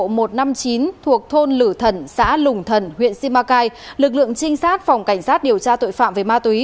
một trăm năm mươi chín thuộc thôn lử thần xã lùng thần huyện simacai lực lượng trinh sát phòng cảnh sát điều tra tội phạm về ma túy